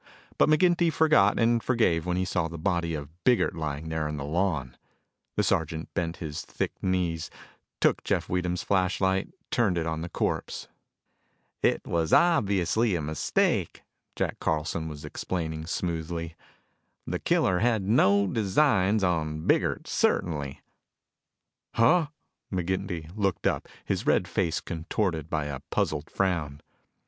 But McGinty forgot and forgave when he saw the body of Biggert lying there on the lawn. The sergeant bent his thick knees, took Jeff Weedham's flashlight, turned it on the corpse. "It was obviously a mistake," Jack Carlson was explaining smoothly. "The killer had no designs on Biggert, certainly." "Huh?" McGinty looked up, his red face contorted by a puzzled frown.